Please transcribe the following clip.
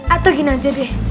atau gini aja deh